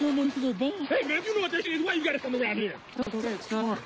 ああ。